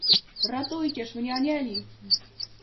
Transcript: "Ratujcież mnie anieli!"